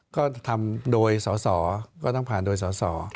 ก็ทำโดยสอสอก็ต้องผ่านโดยสอสอ